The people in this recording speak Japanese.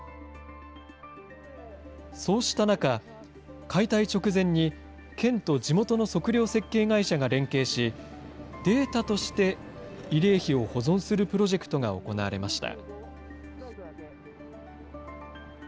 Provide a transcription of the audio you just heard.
そうした中、解体直前に県と地元の測量設計会社が連携し、データとして慰霊碑を保存するプロジェクトが行われました。